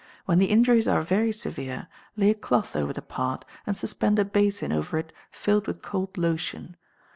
When the injuries are very severe, lay a cloth over the part, and suspend a basin over it filled with cold lotion.